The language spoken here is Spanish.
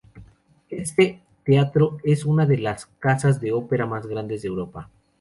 Este teatro es una de las casas de ópera más grandes de Europa.